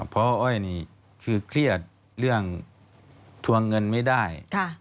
เพราะอ้อยนี่คือเครียดเรื่องทวงเงินไม่ได้